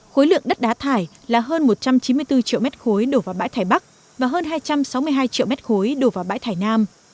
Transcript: khối lượng đất đá thải là hơn một trăm chín mươi bốn triệu mét khối đổ vào bãi thải bắc và hơn hai trăm sáu mươi hai triệu mét khối đổ vào bãi thải nam